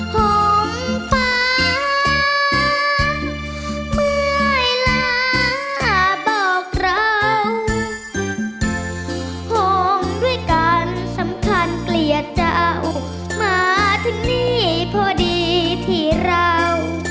ผมไปเมื่อเวลาบอกเราห่วงด้วยกันสำคัญเกลียดเจ้ามาถึงนี่พอดีที่เรา